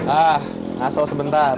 ah asok sebentar